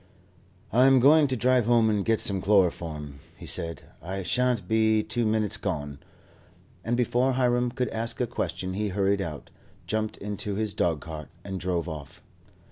"I am going to drive home and get some chloroform," he said, "I shan't be two minutes gone;" and before Hiram could ask a question he hurried out, jumped into his dogcart, and drove off.